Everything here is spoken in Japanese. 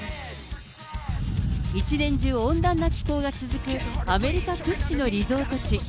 一年中温暖な気候が続くアメリカ屈指のリゾート地。